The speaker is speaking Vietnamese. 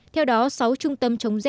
theo đó sáu trung tâm trung tâm